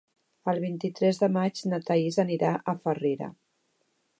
El vint-i-tres de maig na Thaís anirà a Farrera.